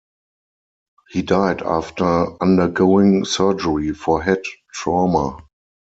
He died after undergoing surgery for head trauma.